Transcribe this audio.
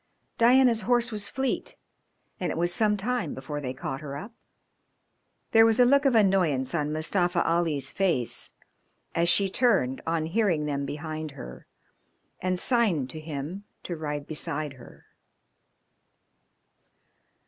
Diana's horse was fleet, and it was some time before they caught her up. There was a look of annoyance on Mustafa Ali's face as she turned on hearing them behind her and signed to him to ride beside her.